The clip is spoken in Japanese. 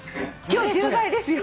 今日１０倍ですよって。